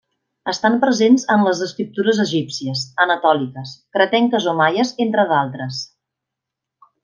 Estan presents en les escriptures egípcies, anatòliques, cretenques o maies, entre d'altres.